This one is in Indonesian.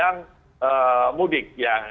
yang mudik ya